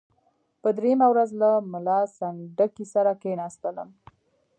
په دریمه ورځ له ملا سنډکي سره کښېنستلم.